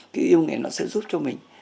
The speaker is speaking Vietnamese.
cái yêu nghề nó sẽ giúp cho mình